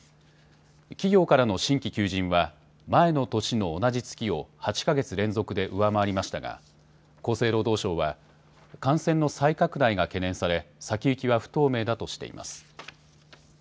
企業からの新規求人は前の年の同じ月を８か月連続で上回りましたが厚生労働省は感染の再拡大が懸念され先行きは不透明だとしています。